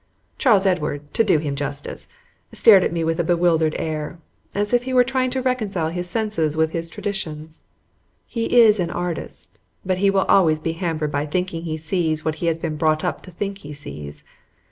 Charles Edward, to do him justice, stared at me with a bewildered air, as if he were trying to reconcile his senses with his traditions. He is an artist, but he will always be hampered by thinking he sees what he has been brought up to think he sees.